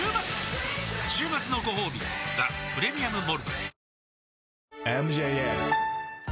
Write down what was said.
週末のごほうび「ザ・プレミアム・モルツ」